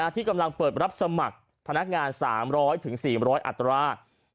ที่กำลังเปิดรับสมัครพนักงาน๓๐๐๔๐๐อัตรา